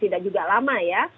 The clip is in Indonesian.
tidak juga lama ya